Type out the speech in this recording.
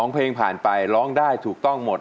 เพลงผ่านไปร้องได้ถูกต้องหมด